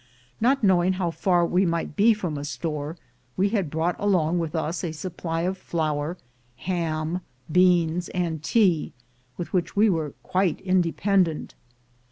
Not knowing how far we might be from a store, we had brought along with us a supply of flour, ham, beans, and tea, with which we were quite independent.